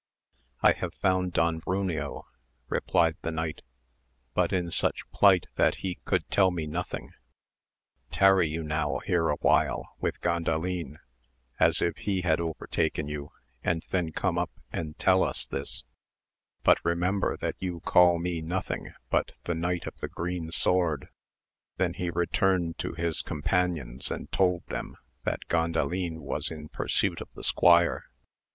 I have found Don Bruneo, replied the knight, but in such plight that he could tell me nothing; tarry you now here awhile with Gandalin, as if he had overtaken you, and then come up, and tell us this, but remember that you call me nothing but the Knight of the Green Sword. Then he returned to his companions and told them that Gandalin was in pursuit of the squire.